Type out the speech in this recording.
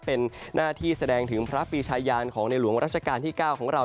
เป็นหน้าที่แสดงถึงพระปีชายานของในหลวงราชการที่๙ของเรา